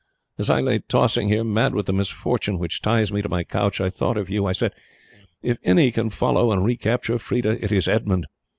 As I lay tossing here, mad with the misfortune which ties me to my couch, I thought of you. I said, 'If any can follow and recapture Freda it is Edmund.'